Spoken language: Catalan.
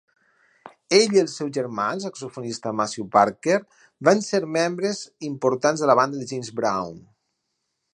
Ell i el seu germà, el saxofonista Maceo Parker, van ser membres importants de la banda de James Brown.